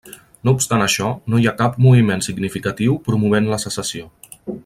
No obstant això, no hi ha cap moviment significatiu promovent la secessió.